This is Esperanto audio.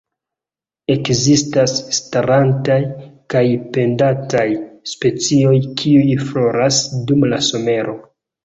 Ekzistas starantaj kaj pendantaj specoj, kiuj floras dum la somero.